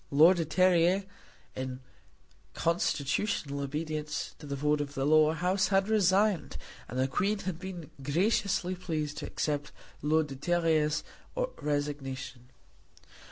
Lord de Terrier, in constitutional obedience to the vote of the Lower House, had resigned, and the Queen had been graciously pleased to accept Lord de Terrier's resignation.